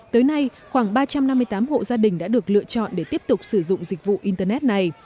tới nay khoảng ba trăm năm mươi tám hộ gia đình đã được lựa chọn để tiếp tục sử dụng dịch vụ internet này